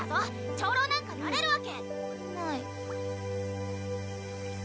長老なんかなれるわけない。